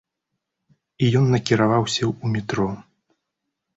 І ён накіраваўся ў метро.